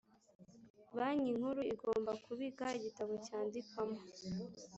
Banki Nkuru igomba kubika igitabo cyandikwamo